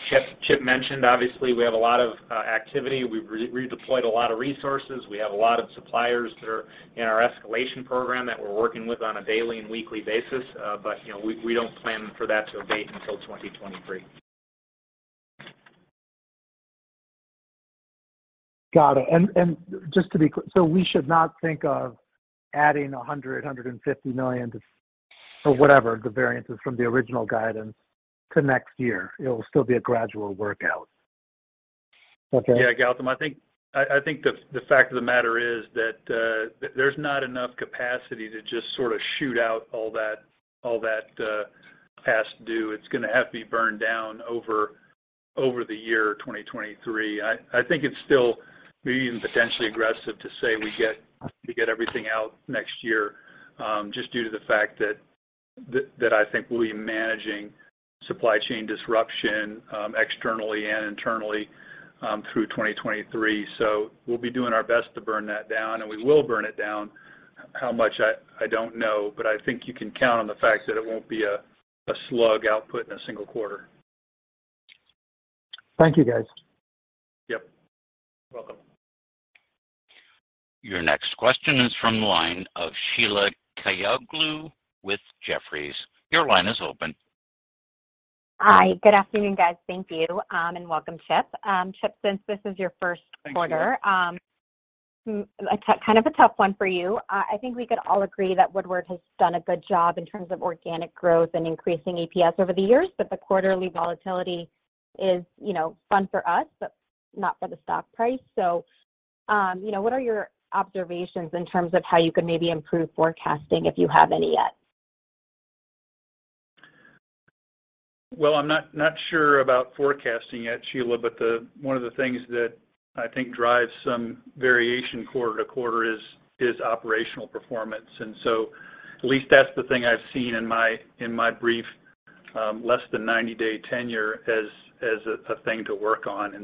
Chip mentioned, obviously, we have a lot of activity. We've redeployed a lot of resources. We have a lot of suppliers that are in our escalation program that we're working with on a daily and weekly basis. You know, we don't plan for that to abate until 2023. Got it. Just to be clear, we should not think of adding $150 million to, or whatever the variance is from the original guidance to next year. It will still be a gradual workout. Okay. Yeah, Gautam, I think the fact of the matter is that there's not enough capacity to just sort of shoot out all that past due. It's gonna have to be burned down over the year 2023. I think it's still maybe even potentially aggressive to say we get everything out next year, just due to the fact that I think we'll be managing supply chain disruption externally and internally through 2023. We'll be doing our best to burn that down, and we will burn it down. How much, I don't know. But I think you can count on the fact that it won't be a slug output in a single quarter. Thank you, guys. Yep. Welcome. Your next question is from the line of Sheila Kahyaoglu with Jefferies. Your line is open. Hi. Good afternoon, guys. Thank you, and welcome, Chip. Chip, since this is your first quarter. Thanks, Sheila. Kind of a tough one for you. I think we could all agree that Woodward has done a good job in terms of organic growth and increasing EPS over the years, but the quarterly volatility is, you know, fun for us, but not for the stock price. You know, what are your observations in terms of how you could maybe improve forecasting if you have any yet? Well, I'm not sure about forecasting yet, Sheila, but one of the things that I think drives some variation quarter to quarter is operational performance. At least that's the thing I've seen in my brief, less than 90-day tenure as a thing to work on.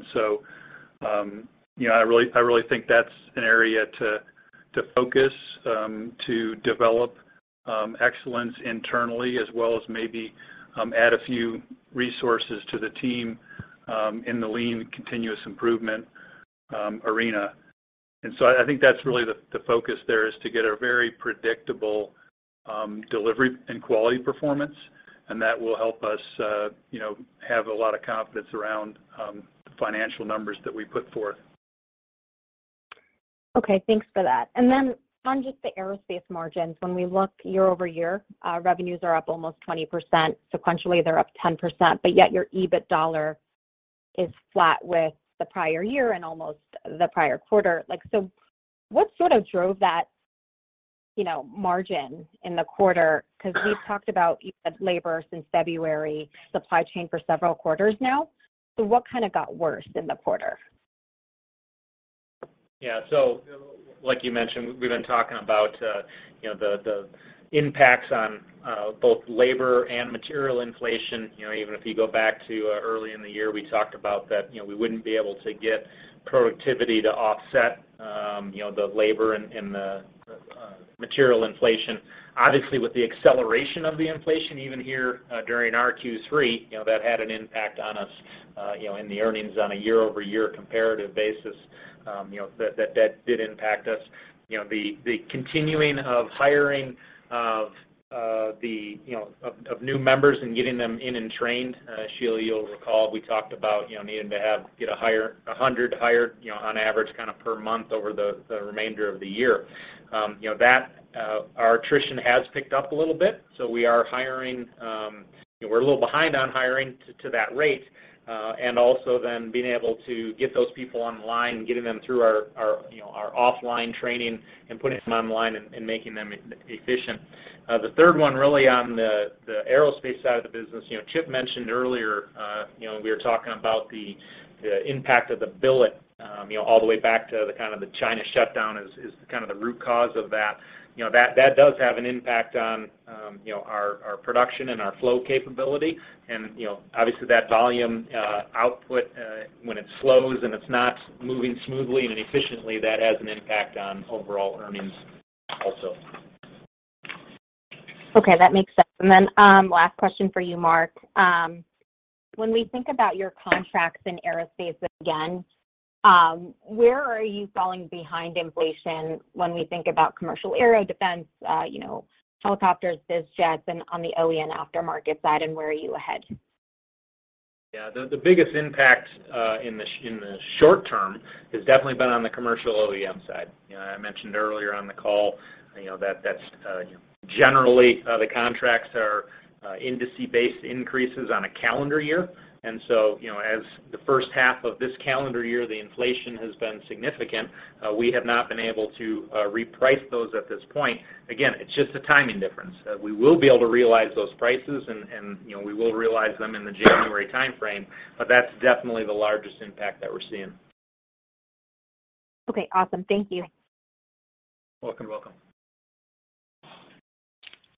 You know, I really think that's an area to focus to develop excellence internally as well as maybe add a few resources to the team in the lean continuous improvement arena. I think that's really the focus there is to get a very predictable delivery and quality performance, and that will help us, you know, have a lot of confidence around the financial numbers that we put forth. Okay. Thanks for that. Then on just the aerospace margins, when we look year-over-year, revenues are up almost 20%. Sequentially, they're up 10%, but yet your EBIT dollar is flat with the prior year and almost the prior quarter. Like, so what sort of drove that, you know, margin in the quarter? 'Cause we've talked about, you said labor since February, supply chain for several quarters now. What kind of got worse in the quarter? Yeah. Like you mentioned, we've been talking about, you know, the impacts on both labor and material inflation. You know, even if you go back to early in the year, we talked about that, you know, we wouldn't be able to get productivity to offset, you know, the labor and the material inflation. Obviously, with the acceleration of the inflation even here, during our Q3, you know, that had an impact on us, you know, in the earnings on a year-over-year comparative basis. You know, that did impact us. You know, the continuing of hiring of new members and getting them in and trained, Sheila. You'll recall we talked about, you know, needing to have 100 hired, you know, on average kind of per month over the remainder of the year. You know, that our attrition has picked up a little bit, so we are hiring. You know, we're a little behind on hiring to that rate. And also then being able to get those people online, getting them through our, you know, our offline training and putting some online and making them efficient. The third one really on the aerospace side of the business, you know, Chip mentioned earlier, you know, we were talking about the impact of the billet, you know, all the way back to the kind of China shutdown is kind of the root cause of that. You know, that does have an impact on, you know, our production and our flow capability. You know, obviously that volume output when it slows and it's not moving smoothly and efficiently, that has an impact on overall earnings also. Okay. That makes sense. Last question for you, Mark. When we think about your contracts in aerospace again, where are you falling behind inflation when we think about commercial aero, defense, you know, helicopters, biz jets, and on the OEM aftermarket side, and where are you ahead? Yeah. The biggest impact in the short term has definitely been on the commercial OEM side. You know, I mentioned earlier on the call, you know, that that's generally the contracts are industry-based increases on a calendar year. You know, as the first half of this calendar year, the inflation has been significant. We have not been able to reprice those at this point. Again, it's just a timing difference. We will be able to realize those prices and you know, we will realize them in the January timeframe, but that's definitely the largest impact that we're seeing. Okay. Awesome. Thank you. Welcome.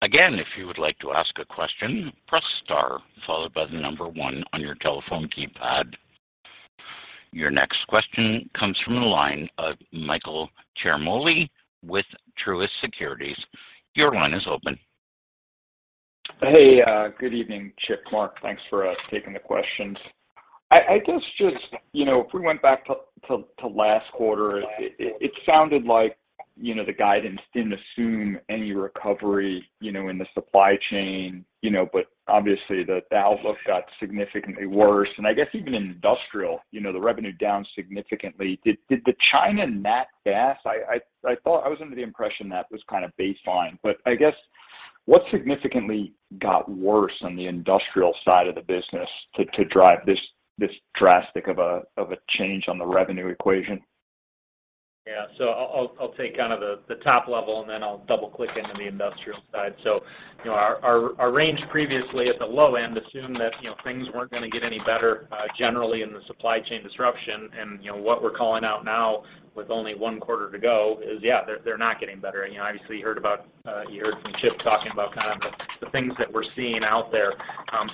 Again, if you would like to ask a question, press star followed by the number one on your telephone keypad. Your next question comes from the line of Michael Ciarmoli with Truist Securities. Your line is open. Hey. Good evening, Chip, Mark. Thanks for taking the questions. I guess just, you know, if we went back to last quarter, it sounded like, you know, the guidance didn't assume any recovery, you know, in the supply chain, you know. Obviously, the outlook got significantly worse, and I guess even in industrial, you know, the revenue down significantly. Did the China natural gas, I thought I was under the impression that was kind of baseline. I guess, what significantly got worse on the industrial side of the business to drive this drastic of a change on the revenue equation? I'll take kind of the top level, and then I'll double-click into the industrial side. You know, our range previously at the low end assumed that, you know, things weren't gonna get any better, generally in the supply chain disruption. You know, what we're calling out now with only one quarter to go is, yeah, they're not getting better. You know, obviously you heard from Chip talking about kind of the things that we're seeing out there.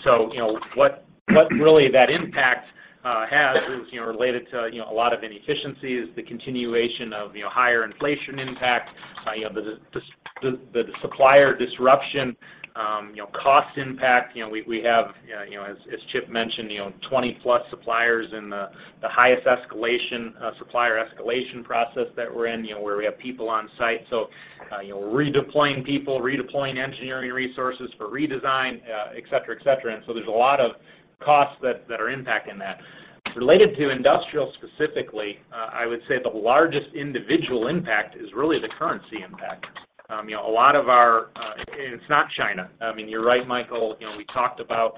You know, what really that impact has is, you know, related to, you know, a lot of inefficiencies, the continuation of, you know, higher inflation impact, you know, the supplier disruption, you know, cost impact. You know, we have, you know, as Chip mentioned, you know, 20+ suppliers in the highest escalation supplier escalation process that we're in, you know, where we have people on site. So, you know, we're redeploying people, redeploying engineering resources for redesign, et cetera, et cetera. There's a lot of costs that are impacting that. Related to industrial specifically, I would say the largest individual impact is really the currency impact. You know, a lot of our. It's not China. I mean, you're right, Michael. You know, we talked about,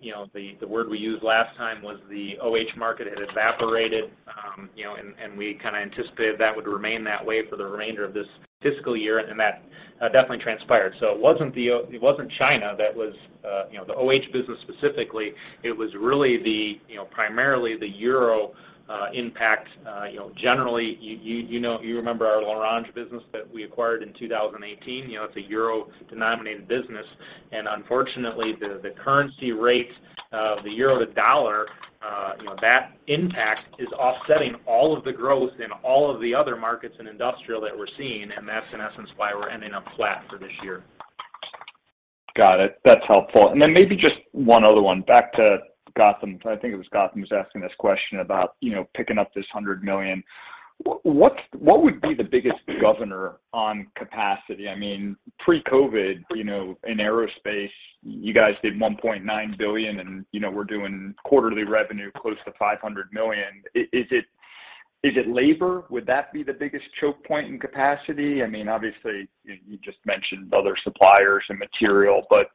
you know, the word we used last time was the OE market had evaporated. You know, we kind of anticipated that would remain that way for the remainder of this fiscal year, and that definitely transpired. It wasn't China that was, you know, the OE business specifically. It was really the, you know, primarily the euro impact. You know, generally, you remember our L'Orange business that we acquired in 2018. You know, it's a euro-denominated business. Unfortunately, the currency rate of the euro to dollar, you know, that impact is offsetting all of the growth in all of the other markets in industrial that we're seeing, and that's in essence why we're ending up flat for this year. Got it. That's helpful. Then maybe just one other one. Back to Gautam. I think it was Gautam who was asking this question about, you know, picking up this $100 million. What would be the biggest governor on capacity? I mean, pre-COVID, you know, in aerospace, you guys did $1.9 billion, and, you know, we're doing quarterly revenue close to $500 million. Is it labor? Would that be the biggest choke point in capacity? I mean, obviously, you just mentioned other suppliers and material. But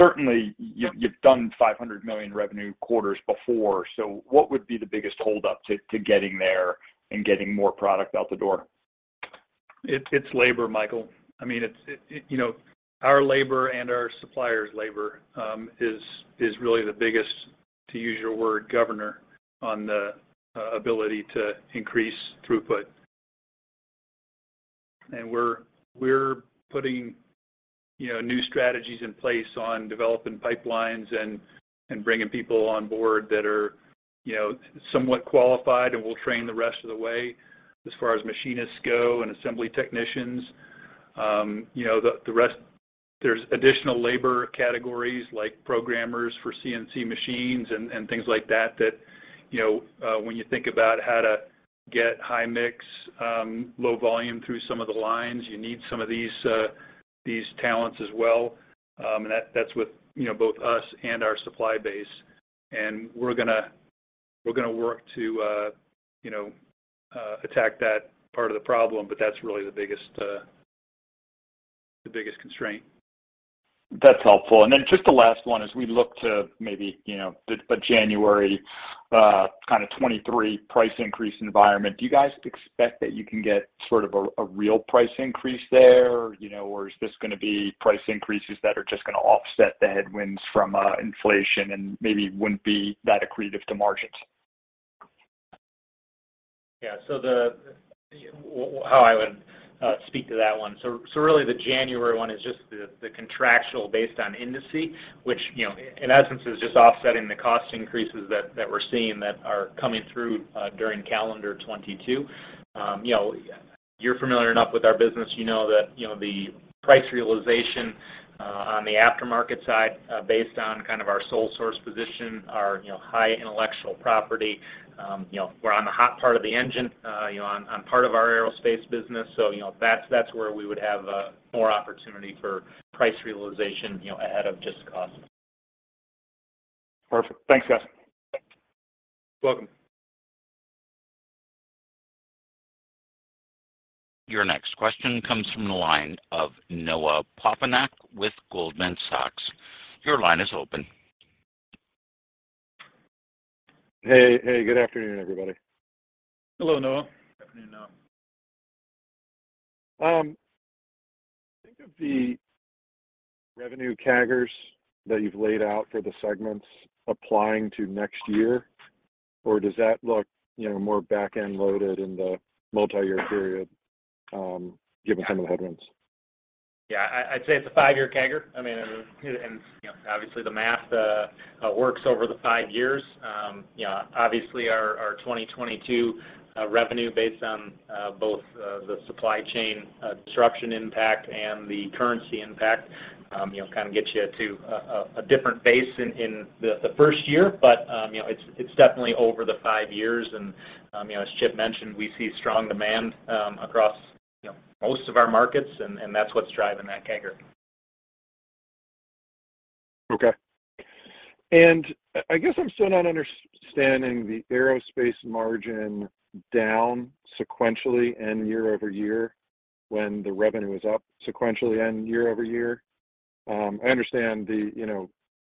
certainly, you've done $500 million revenue quarters before, so what would be the biggest holdup to getting there and getting more product out the door? It's labor, Michael. I mean, it's you know, our labor and our suppliers' labor is really the biggest, to use your word, governor on the ability to increase throughput. We're putting you know, new strategies in place on developing pipelines and bringing people on board that are you know, somewhat qualified and we'll train the rest of the way as far as machinists go and assembly technicians. You know, the rest, there's additional labor categories like programmers for CNC machines and things like that you know, when you think about how to get high mix low volume through some of the lines, you need some of these talents as well. That's with you know, both us and our supply base. We're gonna work to, you know, attack that part of the problem, but that's really the biggest constraint. That's helpful. Just the last one. As we look to maybe, you know, the January kind of 2023 price increase environment, do you guys expect that you can get sort of a real price increase there? You know, or is this gonna be price increases that are just gonna offset the headwinds from inflation and maybe wouldn't be that accretive to margins? Yeah. How I would speak to that one. Really the January one is just the contractual based on industry, which, you know, in essence is just offsetting the cost increases that we're seeing that are coming through during calendar 2022. You know You're familiar enough with our business, you know that, you know, the price realization on the aftermarket side, based on kind of our sole source position, our, you know, high intellectual property, you know, we're on the hot part of the engine, you know, on part of our aerospace business, so, you know, that's where we would have more opportunity for price realization, you know, ahead of just cost. Perfect. Thanks, guys. Welcome. Your next question comes from the line of Noah Poponak with Goldman Sachs. Your line is open. Hey, hey, good afternoon, everybody. Hello, Noah. Afternoon, Noah. Think of the revenue CAGRs that you've laid out for the segments applying to next year or does that look, you know, more back-end loaded in the multiyear period, given some of the headwinds? Yeah. I'd say it's a five-year CAGR. I mean, you know, obviously the math works over the five years. You know, obviously our 2022 revenue based on both the supply chain disruption impact and the currency impact you know, kind of gets you to a different base in the first year. You know, it's definitely over the five years and you know, as Chip mentioned, we see strong demand across you know, most of our markets and that's what's driving that CAGR. I guess I'm still not understanding the aerospace margin down sequentially and year-over-year when the revenue is up sequentially and year-over-year. I understand, you know,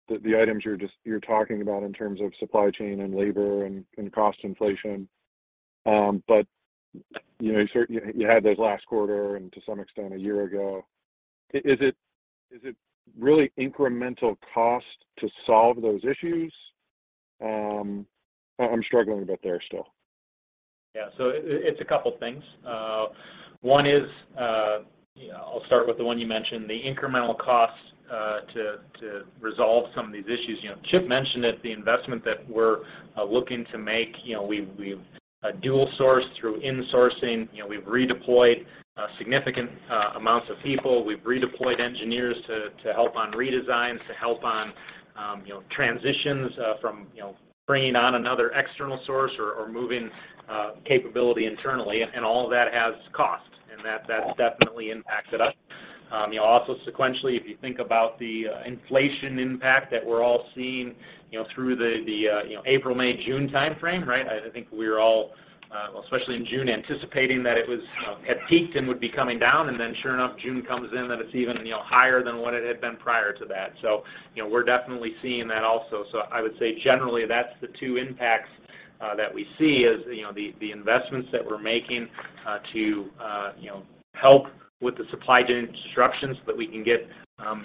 the items you're talking about in terms of supply chain and labor and cost inflation. You know, you had those last quarter and to some extent a year ago. Is it really incremental cost to solve those issues? I'm struggling a bit there still. Yeah. It's a couple things. One is, you know, I'll start with the one you mentioned, the incremental costs to resolve some of these issues. You know, Chip mentioned that the investment that we're looking to make, you know, we've dual sourced through insourcing. You know, we've redeployed significant amounts of people. We've redeployed engineers to help on redesigns, to help on you know, transitions from you know, bringing on another external source or moving capability internally and all of that has cost and that's definitely impacted us. You know, also sequentially, if you think about the inflation impact that we're all seeing, you know, through the April, May, June timeframe, right? I think we were all, especially in June, anticipating that it had peaked and would be coming down, and then sure enough, June comes in and it's even, you know, higher than what it had been prior to that. You know, we're definitely seeing that also. I would say generally that's the two impacts that we see, you know, the investments that we're making to you know, help with the supply chain disruptions so that we can get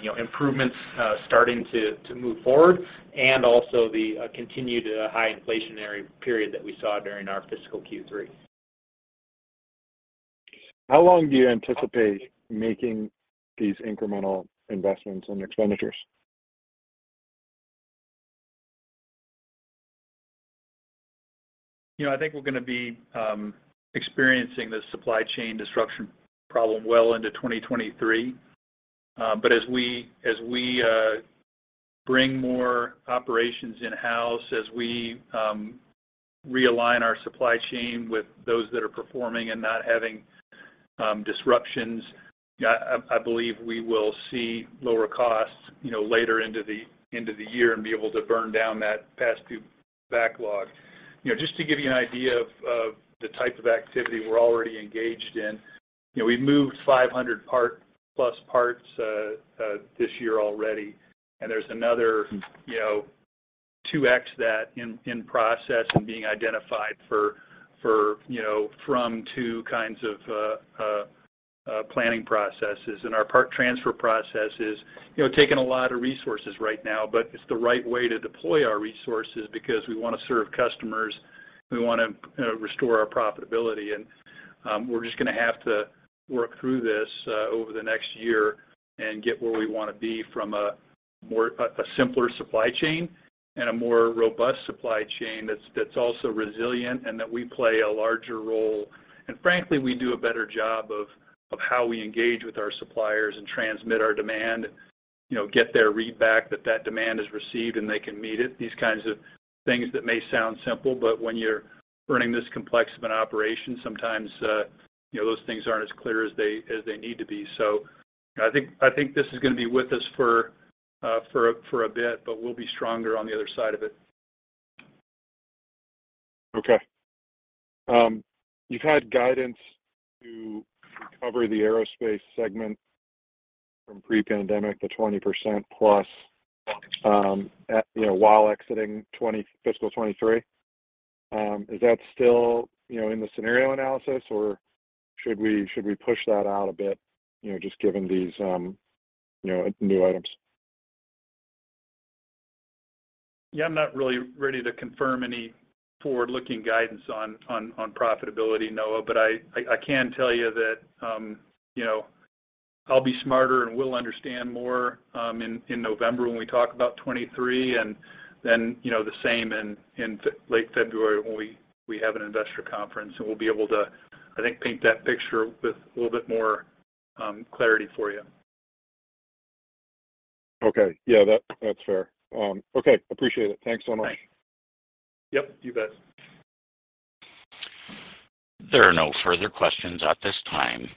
you know, improvements starting to move forward and also the continued high inflationary period that we saw during our fiscal Q3. How long do you anticipate making these incremental investments and expenditures? You know, I think we're gonna be experiencing the supply chain disruption problem well into 2023. As we bring more operations in-house, as we realign our supply chain with those that are performing and not having disruptions, I believe we will see lower costs, you know, later into the year and be able to burn down that past due backlog. You know, just to give you an idea of the type of activity we're already engaged in, you know, we've moved 500+ parts this year already, and there's another, you know, 2x that in process and being identified for, you know, from two kinds of planning processes. Our part transfer process is, you know, taking a lot of resources right now, but it's the right way to deploy our resources because we wanna serve customers, we wanna restore our profitability. We're just gonna have to work through this over the next year and get where we wanna be from a more a simpler supply chain and a more robust supply chain that's also resilient and that we play a larger role. Frankly, we do a better job of how we engage with our suppliers and transmit our demand, you know, get their read back that that demand is received and they can meet it. These kinds of things that may sound simple, but when you're running this complex of an operation, sometimes, you know, those things aren't as clear as they need to be. You know, I think this is gonna be with us for a bit, but we'll be stronger on the other side of it. Okay. You've had guidance to recover the aerospace segment from pre-pandemic to 20%+, you know, while exiting fiscal 2023. Is that still, you know, in the scenario analysis, or should we push that out a bit, you know, just given these, you know, new items? Yeah, I'm not really ready to confirm any forward-looking guidance on profitability, Noah. I can tell you that, you know, I'll be smarter and we'll understand more in November when we talk about 2023. You know, the same in late February when we have an investor conference, and we'll be able to, I think, paint that picture with a little bit more clarity for you. Okay. Yeah, that's fair. Okay, appreciate it. Thanks so much. Thanks. Yep, you bet. There are no further questions at this time.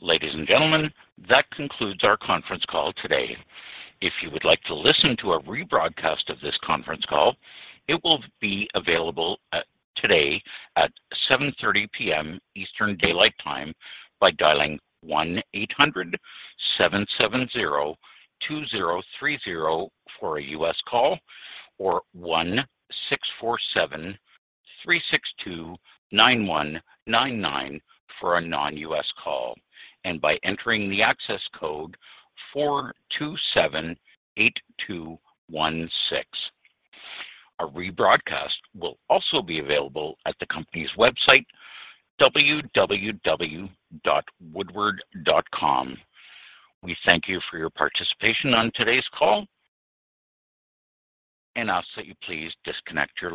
Ladies and gentlemen, that concludes our conference call today. If you would like to listen to a rebroadcast of this conference call, it will be available at, today at 7:30 P.M. Eastern Daylight Time by dialing 1-800-770-2030 for a US call or 1-647-362-9199 for a non-U.S. call and by entering the access code 427-8216. A rebroadcast will also be available at the company's website, www.woodward.com. We thank you for your participation on today's call and ask that you please disconnect your line.